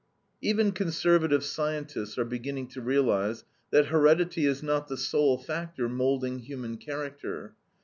" Even conservative scientists are beginning to realize that heredity is not the sole factor moulding human character.